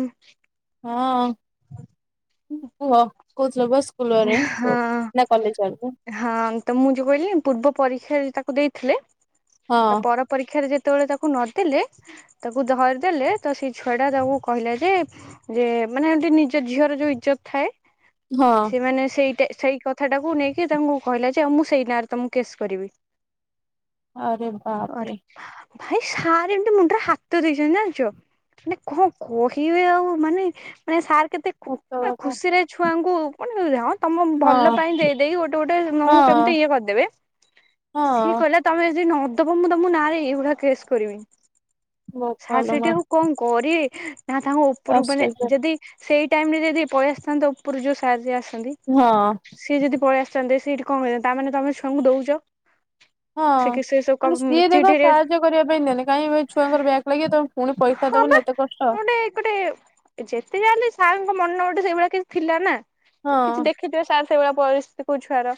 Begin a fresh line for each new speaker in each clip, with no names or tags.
ହୁଁ [unintelligible]
ହଁ, କୁହ, କୋଉଥିଲ ପା
ହଁ, ହଁ ତ ମୁଁ ଯୋଉ କହିଲି ପୂର୍ବ ପରି ତାକୁ ଦେଇଥିଲେ, ତା
ହଁ
ପର ପରୀକ୍ଷାରେ ଯେ ସେତେବେଳେ ତାକୁ ନଦେଲେ, ତାକୁ ଧରିଦେଲେ ତ, ସେଇ ଛୁଆଟା ତାକୁ କହିଲା ଯେ ମାନେ ଏମିତି ନିଜ ଝିଅର ଯୋଉ ଇଜ୍ଜତ ଥାଏ
ହଁ
ସେମାନେ ସେଇଟା, ସେଇ କଥାଟାକୁ ନେଇକି ତାଙ୍କୁ କହିଲା ଯେ- ମୁଁ ସେଇ ନାଁରେ ତମକୁ କେସ୍ କରିବି।
ଆରେ
ଆରେ
ବାପରେ।
ଭାଇ ସାର, ଏମିତି ମୁଣ୍ଡରେ ହାତ ଦେଇଛନ୍ତି ଜାଣିଛ? ମାନେ କଣ କହିବେ ଆଉ ମାନେ, ମାନେ ସାର୍ କେତେ ଖୁ
ସତ କଥା
ଖୁସିରେ ଛୁଆଙ୍କୁ ମାନେ ତମ ଭଲ
ହଁ
ପାଇଁ ଦେଇଦେଇ ଗୋଟେ ଗୋଟେ
ହଁ
ମୁଁ କେମିତି ଇଏ କରିଦେବେ। ସିଏ
ହଁ
କହିଲା, ତମେ ଯଦି ନ ତପୁ ମୁଁ ତମ ନାଁରେ ଏଇଗୁଡା କେସ୍ କରିବି, ସାର୍
ବୋପାଲୋ ମା
ସେଇଠି ଆଉ କଣ କରିବି? ନା ସାଙ୍ଗ ଉପରୁ ମାନେ
ଆଶ୍ଚର୍ଯ୍ୟ
ଯଦି ସେଇ ଟାଇମ ରେ ଯଦି ପଳେଇ ଆସିଥାନ୍ତ ଉପରୁ ଯୋଉ ସାର ଯିଏ ଆସି
ହଁ
ସିଏ ଯଦି ପଳେଇ ଆସିଥାନ୍ତେ, ସିଏ ଏଠୀ କଣ କହିଥାନ୍ତେ, ତାମାନେ ତମେ ଛୁଆଙ୍କୁ ଦଉଛ?
ହଁ,
ସେ କି ସେ ସବୁ କ
ମାନେ ସିଏ
ଚିଟ୍
ଦେଖ
ହେରିକା
ସାହାଯ୍ୟ କରିବା ପାଇଁ ନେଲେ କାହିଁକି, ଏ ଛୁଆଙ୍କର ବ୍ୟାକ ଲାଗି ତମେ ପୁଣି ପଇସା
ହଁ ବା
ଦବ।
କନ ଗୋଟେ ଗୋଟେ ଯେତେ ଯାହାଲେ ସାର୍ ମୋ ମନ ଗୋଟେ ସେଇଭଳିଆ କିଛି ଥିଲା ନା, କିଛି
ହଁ
ଦେଖିଥିବେ ସାର୍ ସେଇଭଳିଆ ପରିସ୍ଥିତି କୋଉ ଛୁଆର।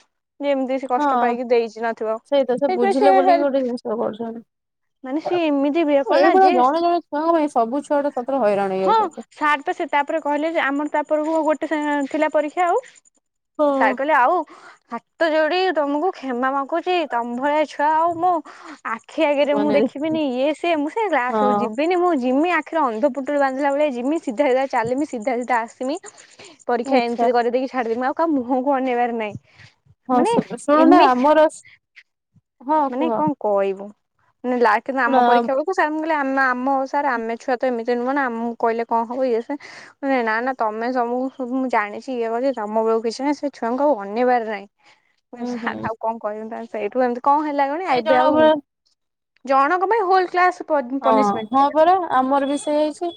ଯେ ଏମିତି ସେ କଷ୍ଟ
ହଁ
ପାଇକି ଦେଇଛି ନଥିବ
ସେଇତ
ସେଇଥିପାଇଁ
ବୁଝିଲେ
ସେ
ବୋଲିକି ଗୋଟେ
ହେଲ୍ପ
ଜିନିଷ କରୁଛନ୍ତି।
ମାନେ ସିଏ ଏମିତି, ଭିଏପ କଲା
ଏଇଭଳିଆ
ଯେ
ଜଣେ ଜଣେ ଛୁଆଙ୍କ ପାଇଁ ସବୁ ଛୁଆ ଟା ସତରେ ହଇରାଣ
ହଁ
ହେଇଯାଉଛନ୍ତି।
ସାର୍ ତ ସେ ତାପରେ କହିଲେ ଯେ, ଆମର ତାପରକୁ ଗୋଟେ ସେମିତି ଥିଲା ପରୀକ୍ଷା ଆଉ
ହଁ
ସାର କହିଲେ ଆଉ ହାତ ଯୋଡି ତମକୁ କ୍ଷମା ମାଗୁଛି, ତମ ଭଳିଆ ଛୁଆ ଆଉ ମୁଁ ଆଖି ଆଗରେ ମୁଁ
ଜୀବନରେ
ଦେଖିବିନି, ଇଏ ସିଏ, ମୁଁ ସେ
ହଁ
କ୍ଲାସକୁ ଯିବିନି ମୁଁ ଯିବି ଆଖିରେ ଅନ୍ଧ ପୁଟୁଳି ବାନ୍ଧିଲା ଭଳିଆ ଯିମି, ସିଧା ସଧା ଚାଲିମି ସିଧା ସିଧା ଆସିମି।
ଆଛା।
ଛାଡିଦେବି, ମୁଁ ଆଉ କାହା ମୁହଁକୁ ଅନେଇବାର ନାଇଁ।
ହଁ
ମାନେ
ଶୁ ଶୁଣୁନା
ଏମି,
ଆମର ହଁ
ମାନେ
କୁହ
କଣ କହିବୁ? ନାଁ ଲାକେ ନା
ଶୁଣ
ଆମ ପରୀକ୍ଷାକୁ ସାର୍ ଙ୍କୁ ଆମେ ଆମ ହଉ ସାର୍ ଆମେ ଛୁଆ ତ ଏମିତି ନୁହଁ ନା, ଆମକୁ କହିଲେ କଣ ହବ ଇଏ ସେ ନାଁ ନାଁ ତମେ ସବୁକୁ ସବୁ ମୁଁ ଜାଣିଛି, ଇଏ କରିଛି, ତମ ବେଳକୁ କିଛି ନାହିଁ, ସେ ଛୁଆଙ୍କୁ ଆଉ ଅନେଇବାର ନାହିଁ।
ହୁଁ ହୁଁ
ଆଉ କଣ କହିବି ତା ସେଇଠୁ ଏମିତି କଣ ହେଲା କହନି
ଏଇ
ଏବେ
ଜଣଙ୍କ
ଆଉ
ଭଳିଆ
ଜଣକ ପାଇଁ ହୋଲ କ୍ଲାସ
ହଁ
ପନିସମେଣ୍ଟ
ହଁ
ପାଇଲା।
ପରା ଆମର ବି ସେଇହେଇଛି।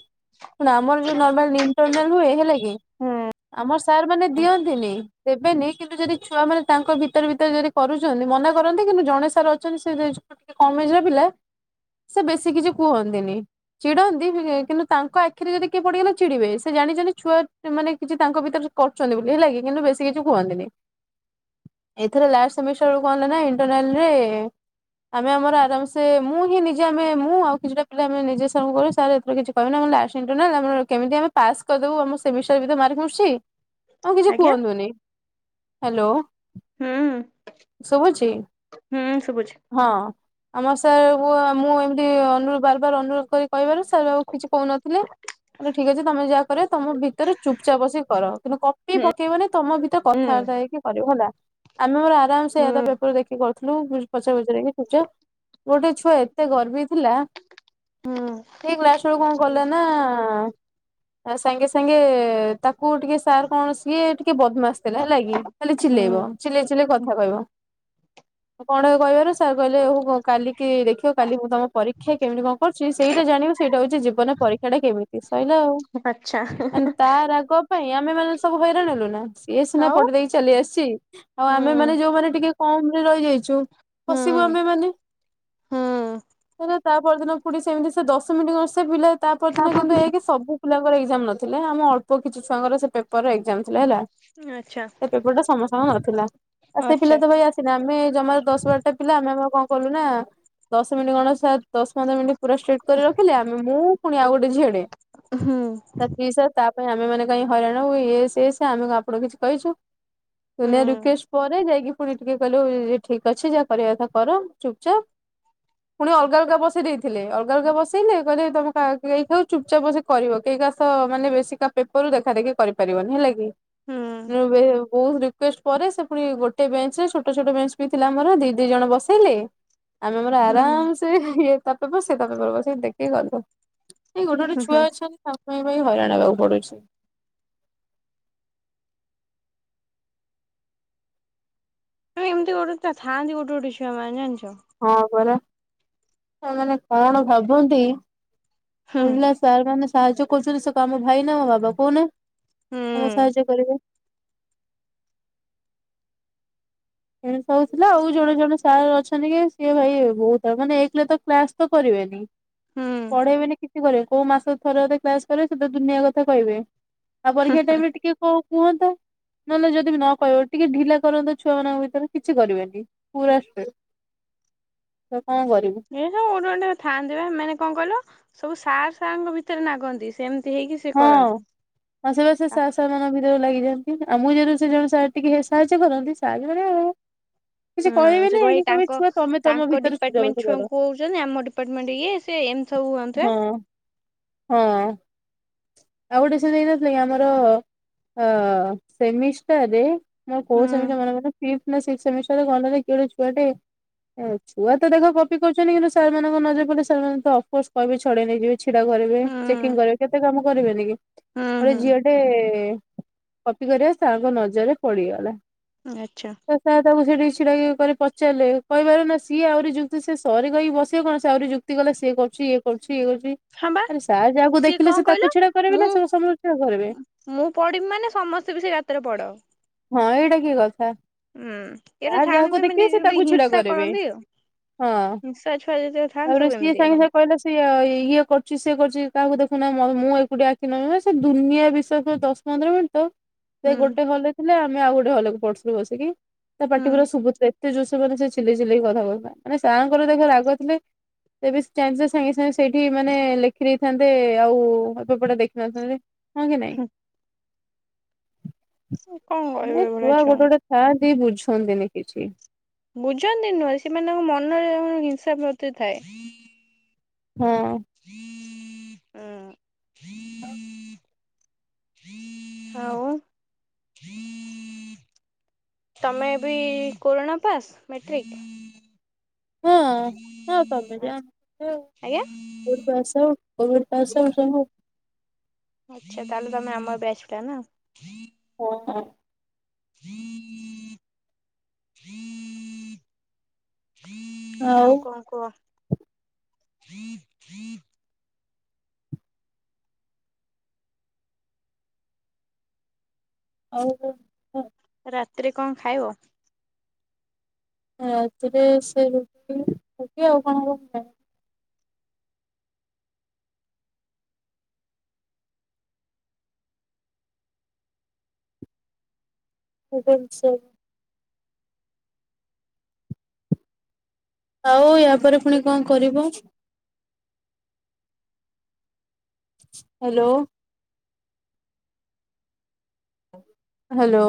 ଆମର ଯୋଉ ନର୍ମାଲ ଇଣ୍ଟରନାଲ ହୁଏ ହେଲା କି
ହୁଁ
ଆମର ସାର୍ ମାନେ ଦିଅନ୍ତିନି। ଦେବେନି କିନ୍ତୁ ଯଦି ଛୁଆ ମାନେ ତାଙ୍କ ଭିତରେ ଭିତରେ ଯଦି କରୁଛନ୍ତି ମନା କରନ୍ତି କିନ୍ତୁ ଜଣେ ସାର୍ ଅଛନ୍ତି ସେ ଯେ ଟିକେ କମିଯିବେ ପିଲା ସେ ବେଶୀ କିଛି କୁହନ୍ତିନି। ଚିଡନ୍ତି କିନ୍ତୁ ତାଙ୍କ ଆଖିରେ ଯଦି କିଏ ପଡିଗଲା ଚିଡିବେ ସେ ଜାଣିଛନ୍ତି ଛୁଆ ମାନେ କିଛି ତାଙ୍କ ଭିତରେ କରୁଛନ୍ତି ବୋଲି ହେଲା କି କିନ୍ତୁ ବେଶୀ କିଛି କୁହନ୍ତିନି। ଏଥିରେ ଲାଷ୍ଟ ସେମିଷ୍ଟର ରୁ କଣ ହେଲା ନା ଇଣ୍ଟରନେଲ ରେ ଆମେ ଆମର ଆରାମସେ ମୁଁ ହିଁ ନି ଯେ ଆମେ ମୁଁ ଆଉ କିଛିଟା ପିଲା ଆମେ ନିଜେ ସାର୍ ଙ୍କୁ କହିଲୁ ସାର୍ ଏଥିରେ କିଛି କହିବନି ଆମର ଲାଷ୍ଟେ ଇଣ୍ଟରନାଲ କେମତି ଆମେ ପାସ୍ କରିବୁ। ଯୋଉ ଆମ ସେମିଷ୍ଟାର ବି ତ ମାରକେ ଆସୁଛି ଆମକୁ କିଛି
ଆଜ୍ଞା
କୁହନ୍ତୁନି ହ୍ୟାଲୋ।
ହୁଁ
ସୁବୁଛି
ହୁଁ ଶୁଭୁଛି।
ହଁ। ଆମର ସାର ମୁଁ ଏମିତି ଅନୁ ବାର ବାର ଅନୁରୋଧ କରି କହିବାରୁ ସାର୍ ଆଉ କିଛି କହୁନଥିଲେ। କହିଲେ ଠିକ୍ ଅଛି ତମେ ଯାହା କରିବ ତମ ଭିତରେ ଚୁପଚାପ ବସି କର କିନ୍ତୁ କପି ପକେଇବନି ତମ ଭିତରେ
ହୁଁ
କଥା ଯାଇକି କରିବ ହେଲା। ଆମେ ଆମର ଆରାମ ସେ ଆ ତା ପେପର ଦେଖିକି କରୁଥିଲୁ ପଚାର ପଚାରିକି ପୁଜା ଗୋଟେ ଛୁଆ ଏତେ ଗର୍ବି ଥିଲା
ହୁଁ
ସେ କ୍ଲାସ ବେଳକୁ କଣ କଲା ନା ହଁ ଆ ସାଙ୍ଗେ ସାଙ୍ଗେ ତାକୁ ଟିକେ ସାର୍ କଣ ସିଏ ଟିକେ ଟିକେ ବଦମାସ ଥିଲା ହେଲା କିି ଖାଲି
ହୁଁ
ଚିଲେଇବ ଚିଲେଇ ଚିଲେଇ କଥା କହିବ। କଣ କହିବାରୁ ସାର୍ କହିଲେ ହଉ କାଲିକି ଦେଖିବ କାଲି ମୁଁ ତମ ପରୀକ୍ଷା କେମିତି କଣ କରିଛି ସେଇଟା ଜାଣିବ ସେଇଟା ହଉଛି ଜୀବନ ପରୀକ୍ଷା ଟା କେମିତି ସଇଲା ଆଉ।
ଆ ହୁଁ ହୁଁ
ମାନେ
ହୁଁ।
ତା ରାଗ ପାଇଁ ଆମେ ମାନେ ସବୁ ହଇରାଣ ହେଲୁ ନା ସିଏ ସିନା
ଆଉ
ପଢ଼ି ଦେଇେଇକି ଚାଲି ଆସିଛି ଆଉ ଆମୋନେ
ହୁଁ
ଯୋଉମାନେ ଟିକେ କମରେ ରହିଯାଇଛୁ ପସିବୁ
ହୁଁ
ଆମେ ମାନେ
ହୁଁ।
ତା ପରଦିନ ପୁଣି ସେମିତି ସେ ଦଶ ମିନିଟ୍ ସେ ପିଲା ତା ପରଦିନ କିନ୍ତୁ ଏ କି ସବୁ ପିଲା ଙ୍କର ଏକ୍ସ୍ରାମ୍ ନଥିଲେ ଆମ ଅଳ୍ପ କିଛି ଛୁଆଙ୍କର ସେ ପେପର ଏକ୍ସ୍ରାମ ଥିଲା ହେଲା।
ଆଚ୍ଛା।
ସେ ପେପର୍ ଟା ସମସ୍ତଙ୍କର ନଥିଲ। ଆ ସେ
ଆଚ୍ଛା
ପିଲା ତ ଭାଇ ଆସିିଲେ ଆମେ ଜମାର ଦଶ ବାରଟା ପିଲା ଆମେ ଆମ କଣ କଲୁ ନା ଦଶ ମିନିଟ୍ ଗଣେଶ ଦଶ ପନ୍ଦର ମିନିଟ୍ ପୁରା ଷ୍ଟ୍ରିଟି୍ କରି ରଖିଲେ ଆମେ ମୁଁ ପୁଣି ଗୋଟେ ଝିଅଟେ।
ହୁଁ।
ସେଥି ପାଇଁ ଆମେ ମାନେ କାହିଁ ହଇରାଣ ହବୁ ଇଏ ସିଏ ସେ ଆମେ ଆପଣଙ୍କୁ କିଛି କହିଛୁ?
ହୁଁ
ସୁୁନିଆ ରୁକେଶ ପରେ ଯାଇକି ପୁଣି ଟିକେ କହିଲେ ଠିକ ଅଛି ଯାହା କରିବା କଥା କର ଚୁପ୍ ଚାପ୍ ପୁଣି ଅଲଗା ଅଲଗା ବସେଇ ଦେଇଥିଲେ ଅଲଗା ଅଲଗା ବସେଇଲେ କହିଲେ ତମେ କା କେ କୁ ଚୁପଚାପ ବସି କରିବ। କେହି କା ଶହ ମାନେ ବେଶୀ କା ପେପରରୁୁ ଦେଖା ଦେଖି କରିପାରିବନି ହେଲା କି।
ହୁଁ
ବହୁତୁ ରିକୁଷ୍ଟ୍ ପରେ ସେ ପୁଣି ଗୋଟେ ବେଞ୍ଚ ରେ ଛୋଟ ଛୋଟ ବେଞ୍ଚ ବି ଥିଲା ଆମର ଦି ଦି ଜଣ ବସେଇଲେ ଆମେ ଆମର
ହୁଁ।
ଆରାମ ସେ ଇଏ ତାପେ ସେ ତାପେ ପବ ସେଇ ଦେଖିକି ଗଲୁ। ଏଇ ଗୋଟେ ଗୋଟେ
ହୁଁ ହୁଁ
ଛୁଆ ଅଛନ୍ତି ତାପ ପାଇଁ ହଇରାଣ ହେବାକୁ ପଡୁଛି।
ଏମିତି ଗୋଟେ ଦି ଟା ଥାନ୍ତି ଗୋଟେ ଗୋଟେ ଛୁଆମାନେ ଜାଣିଛୁ?
ହଁ ପରା ସେମାନେ କଣ ଭାବନ୍ତି
ହୁଁ
ଓଲା ସାର ମାନେ ସାହାଯ୍ୟ କରୁଛନ୍ତି ସେ କଣ ଆମ ଭାଇ ନା ବାବା କହୁନ?
ହୁଁ
ଆମକୁ ସାହାଯ୍ୟ କରିବେ ଏମତି ସବୁ ଥିଲା ଆଉ ଜଣେ ଜଣେ ସାର୍ ଅଛନ୍ତି କି ସିଏ ଭାଇ ବହୁତୁ ମାନେ ଏକ ତ କ୍ଲାସ ତ କରିବେନି
ହୁଁ
ପଢେଇବେ ନା କିଛି କରିବେ କୋଉ ମାସ ଥରେ ଅଧେ କ୍ଲାସ କରିବେ ସେତ ଦୁନିଆ କଥା କହିବେ। ଆଉ ପରକ୍ଷା ଟାଇମ ରେ ଟିକେ କଉ- କୁହତ ନହେଲେ ଯଦି ବି ନ କହିବ ଟିକେ ଢିଲା କରନ୍ତ ଛୁଆ ମାନଙ୍କ ବି। କିଛି କରିବେନି ପୁରା ଷ୍ଟ୍ରିଟ୍।
ଏ ସବୁ ଗୋଟେ ଗୋଟେ ଥାଆନ୍ତି ବା ମାନେ କଣ କହିଲ ସବୁ ସାର୍ ସାରଙ୍କ ଭିତରେ ନାଗନ୍ତି ସେମିତି। ହେଇକି ସେ କରନ୍ତି।
ଆସେ ବାସେ ସାର୍ ସାର୍ ମାନଙ୍କ ଭିତରେ ଲାଗିଯାନ୍ତି ଆଉ ମୁଁ ଯେହୁ ସେ ଜଣ ସେ ଟିକେ ସାହାଯ୍ୟ କରନ୍ତି ସାହାଯ୍ୟ ମାନଉ-
[inaudible] ହୁଁ ସେ କ ଭାଇ ତାଙ୍କ
ତମେ ତମ
ତାଙ୍କ
ଭିତରେ ବୁଝାବୁଝି
ଡିପାର୍ଟମେଣ୍ଟ
କର
ଛୁଆଙ୍କୁ କହୁଛନ୍ତି ଆମ ଡିପାର୍ଟମେଣ୍ଟ ଇଏ ସେ- ହୋଉ ଆକା।
ହଁ ହଁ। ଆଉ ଗୋଟେ ସେ ହେଇନଥିଲା ଆମର ଅ ସେମିଷ୍ଟାରରେ। ମୋର କୋଉ
ହୁଁ
ସେମିଷ୍ଟର ମନେ ପଡୁନି ଫିଫଥ ନା ସିକ୍ସଥ ସେମିଷ୍ଟର ରେ ଗଲା ଯେ କେଡ଼େ ଛୁଆଟେ। ଏ ଛୁଆ ତ ଦେଖ କପି କରୁଛନ୍ତି କିନ୍ତୁ ସାରମାନଙ୍କ ନଜର ପଡିଲେ ସାରମାନେ ତ ଅଫକୋର୍ସ କହିବେ ଛଡେଇ ନେଇଯିବେ। ଛିଡା କରିବେ
ହୁଁ
ଚେକିଂ କରିବେ କେତେ କାମ କରିବେନି କି
ହୁଁ
ଗୋଟେ ଝିଅ
ହୁଁ
ଟେ- କପି କରିବା ସାର୍ ଙ୍କ ନଜରରେ ପଡିଗଲା।
ଆଚ୍ଛା।
ରିସ୍କ ରହିବ କି ପଚାରିଲେ କହିବାରୁ ନା ସିଏ ଆହୁରି ଯୁକ୍ତି ସେ ସରି କହିକି ବସିବେ କଣ ସେ ଆହୁରି ଯୁକ୍ତି କଲା ସ- ଇ କରୁଛି ଇଏ କରୁଛି ଇଏ କରୁଛି
ହଁ ବା
ଆରେ ସାର୍ ଯାହାକୁ
ସିଏ
ଦେଖିଲେ
କଣ
ସେ
କହିଲ
ତାକୁ ଛିଡା କରିବି
ମୁଁ
ନା ସମସ୍ତଙ୍କୁ -
ମୁଁ ପଡିବି ମାନେ ସମସ୍ତେ ବି ସେ ଗାତରେ ପଡ।
ହଁ ଏଇଟା କି କଥା
ହୁଁ ଏଇଟା
ସାର୍
ଥାଆନ୍ତି
ଯାହାକୁ
ବି ମାନେ
ଦେଖିବେ ସେ
ଗୋଟେ
ତାକୁ ଛିଡା
ହିଂସା
କରିବେ।
କରନ୍ତି ଆଉ
ହଁ
ହିଂସା ଛୁଆ ଯେତେବେଳେ ଥାଆନ୍ତି
ତାପରେ
ସବୁ
ସିଏ
ଏମିତିଆ
ସାଙ୍ଗେ
କାମ
ସାଙ୍ଗେ କହିଲା ସିଏ ଇଏ କରୁଛି ସିଏ କରୁଛି କାହାକୁ ଦେଖ- ମୁଁ ଏକୁଟିିଆ ଆଖି ନବି ସେ ଦୁନିଆ ବିଷୟରେ ଦଶ ପନ୍ଦର ମିନିଟ- ସେ
ହୁଁ
ଗୋଟେ ହଲରେ ଥିଲେ ଆମେ ଆଉ ଗୋଟେ ହଲକୁ ପଢୁଥିଲୁ ବସିକି ତା ପାଟି ପୁର
ହୁଁ
ସୁବୁ ଥାଏ। ସେ ଜୋରସେ ପୁରା ଚିଲେଇ ଚିଲେଇି କଥା କହନ୍ତା ମାନେ ସାରଙ୍କର ଦେଖ ରାଗ ଥିଲେ ତେବେ ଜାଣିଛ ସାଙ୍ଗେ ସାଙ୍ଗେ ସେଇଠି ମାନେ ଲେଖି ଦେଇେଥାନ୍ତେ ଆଉ ଏପଟେ ଦେଖିିନଥାନ୍ତି ହଁ କି ନାଇଁ।
କଣ
ନାଇଁ
କହିବେ ଏଭଳିଆ
ଛୁଆ ଗୋଟେ
ଛୁଆଙ୍କୁ
ଗୋଟେ ଥାଆନ୍ତି ବୁଝନ୍ତିନି କିଛି।
ବୁଝନ୍ତି ନୁହେଁ ସେମାନଙ୍କ ମନରେ ହିଂସା ପ୍ରତି ଥାଏ।
ହଁ।
ହୁଁ ଆଉ। ତମେ ବିି କୋରଣା ପାସ୍ ମେଟ୍ରିକ।
ହଁ ହଁ ତମେ ଯାଆନ୍ତ।
ଆଜ୍ଞା
[unintelligible]
ଆଚ୍ଛା ତାହେଲେ ତମେ ଆମ ବ୍ୟାଚଟା ନା।
ହଁ ହଁ।
[inaudible] ଆଉ କଣ କୁହ।
ଆଉ କଣ କୁହ। [unintelligible]
ରାତିରେ କଣ ଖାଇବ?
ରାତିରେ ସେ ରୁଟି‌। ରୁଟି ଆଉ କଣ ହବ ମୁଁ ଜାଣିନି। [unintelligible] ଆଉ ୟା ପରେ ଫୁଣି କଣ କରିବ? ହାଲୋ। ହାଲୋ।